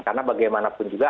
karena bagaimanapun juga